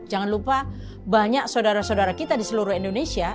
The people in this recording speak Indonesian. jangan lupa banyak saudara saudara kita di seluruh indonesia